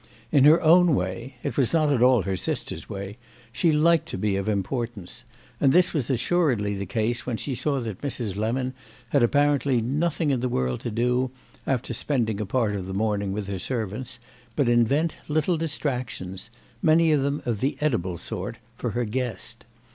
In her own way—it was not at all her sister's way—she liked to be of importance; and this was assuredly the case when she saw that Mrs. Lemon had apparently nothing in the world to do, after spending a part of the morning with her servants, but invent little distractions—many of them of the edible sort—for her guest.